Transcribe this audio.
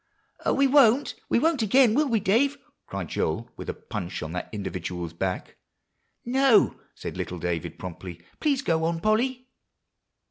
"Oh, we won't we won't again, will we, Dave?" cried Joel, with a punch on that individual's back. "No," said little David promptly; "please go on, Polly."